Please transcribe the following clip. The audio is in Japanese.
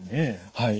はい。